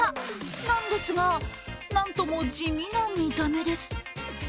なんですが、なんとも地味な見た目です。